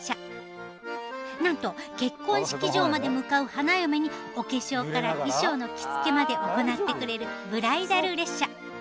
なんと結婚式場まで向かう花嫁にお化粧から衣装の着付けまで行ってくれるブライダル列車。